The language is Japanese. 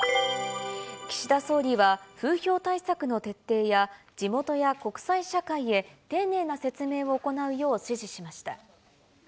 岸田総理は風評対策の徹底や、地元や国際社会へ丁寧な説明を行うよう指示しました。